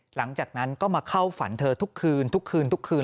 หลังจากนั้นก็มาเข้าฝันเธอทุกคืนทุกคืนทุกคืน